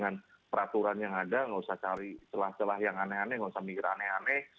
tidak usah cari peraturan yang ada tidak usah cari celah celah yang aneh aneh tidak usah mikir aneh aneh